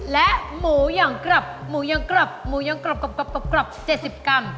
และหมูยังกรับ๗๐กรัม